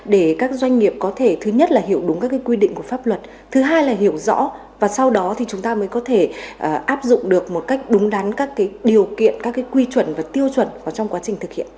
để các doanh nghiệp có thể thứ nhất là hiểu đúng các quy định của pháp luật thứ hai là hiểu rõ và sau đó thì chúng ta mới có thể áp dụng được một cách đúng đắn các điều kiện các quy chuẩn và tiêu chuẩn trong quá trình thực hiện